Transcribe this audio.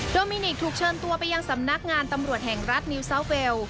โดยมินิกถูกเชิญตัวไปยังสำนักงานตำรวจแห่งรัฐนิวซาวเวล